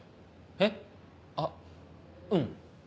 えっあっうん。